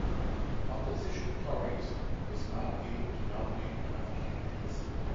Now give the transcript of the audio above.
Opposition parties was not able to nominate enough candidates.